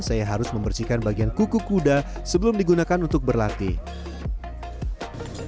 saya harus membersihkan bagian kuku kuda sebelum digunakan untuk berlatih